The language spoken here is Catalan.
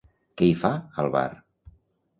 Què hi fa, al bar?